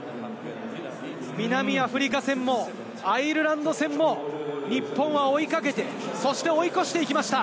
南アフリカ戦もアイルランド戦も日本は追いかけて、そして、追い越していきました。